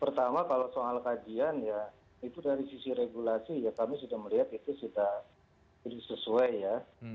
pertama kalau soal kajian ya itu dari sisi regulasi ya kami sudah melihat itu sudah sesuai ya